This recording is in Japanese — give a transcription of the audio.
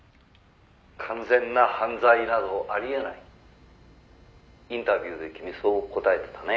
「完全な犯罪などあり得ない」「インタビューで君そう答えてたね」